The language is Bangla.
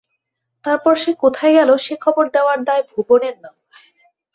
তার পর সে কোথায় গেল সে খবর দেওয়ার দায় ভুবনের নয়।